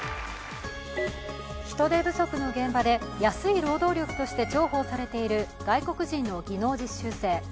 人手不足の現場で安い労働力として重宝されている外国人の技能実習生。